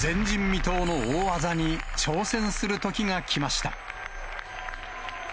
前人未到の大技に挑戦するときが来ました。